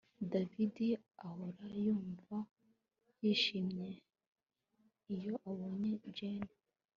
David ahora yumva yishimye iyo abonye Jane